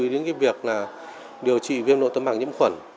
điều trị viêm nội tấm bằng nhiễm khuẩn